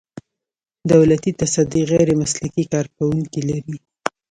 دولتي تصدۍ غیر مسلکي کارکوونکي لري.